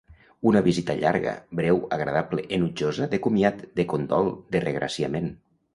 Una visita llarga, breu, agradable, enutjosa, de comiat, de condol, de regraciament.